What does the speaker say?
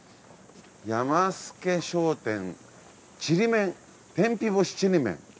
やま助商店ちりめん天日干しちりめん。